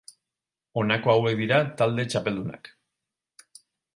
Honako hauek dira talde txapeldunak.